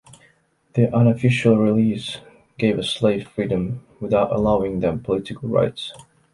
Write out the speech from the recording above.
The “unofficial” release gave a slave freedom, without allowing them political rights.